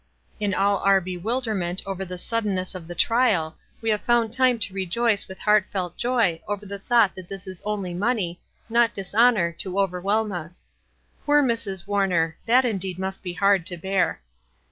In all oui bewilderment over the suddenness of the trial we havdtfound time to rejoice with heartfelt joy over the thought that it is only money, not dis 196 WISE AND OTHERWISE. honor to overwhelm us. Poor Mrs. Warner? that indeed must be hard to bear.